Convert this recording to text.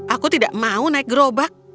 aku tidak mau naik gerobak